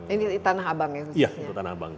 ini tanah abang ya iya ini tanah abang